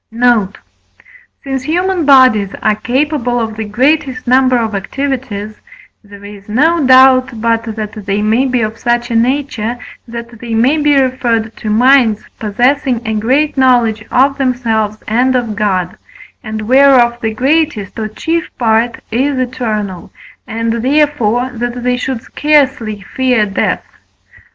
Note. Since human bodies are capable of the greatest number of activities, there is no doubt but that they may be of such a nature, that they may be referred to minds possessing a great knowledge of themselves and of God, and whereof the greatest or chief part is eternal, and, therefore, that they should scarcely fear death.